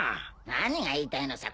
何が言いたいのさ